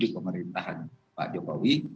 pemerintahan pak jokowi